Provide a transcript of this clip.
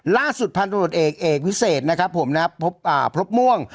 ล่าสุดพันธุ์โดดเอกเอกวิเศษนะครับผมนะฮะอ่าพรบม่วง